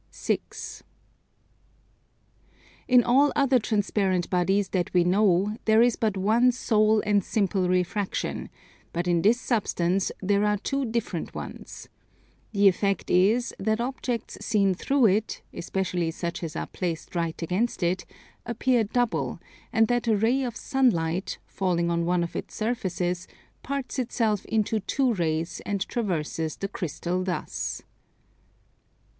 6. In all other transparent bodies that we know there is but one sole and simple refraction; but in this substance there are two different ones. The effect is that objects seen through it, especially such as are placed right against it, appear double; and that a ray of sunlight, falling on one of its surfaces, parts itself into two rays and traverses the Crystal thus.